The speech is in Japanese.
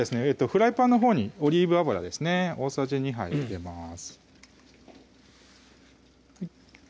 フライパンのほうにオリーブ油ですね大さじ２杯入れます